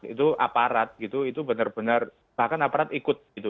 itu aparat gitu itu benar benar bahkan aparat ikut gitu